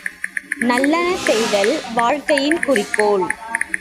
நல்லன செய்தல் வாழ்க்கையின் குறிக்கோள்.